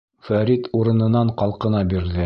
— Фәрит урынынан ҡалҡына бирҙе.